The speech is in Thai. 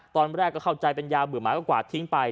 ตอนแรกก็เข้าใจเป็นยาเบื่อหมากก็กวาดทิ้งไป